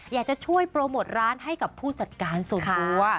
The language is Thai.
อยากจะช่วยโปรโมทร้านให้กับผู้จัดการส่วนตัว